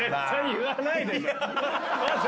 言わない！